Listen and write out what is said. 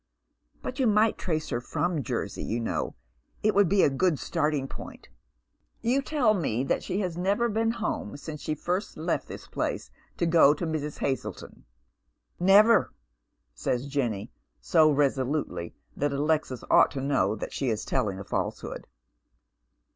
But you might trace her/rom Jersey, you know. It would be a good starting point." " You tell me that she has never been home since she first left tliis place to go to Mrs. Uazletou." " Never," says Jenny, so resolutely that Alexis ought to know eho is telling a falsehood.